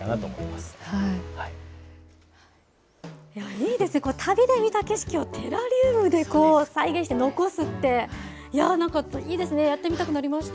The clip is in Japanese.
いいですね、旅で見た景色をテラリウムで再現して残すって、いやー、なんかいいですね、やってみたくなりました。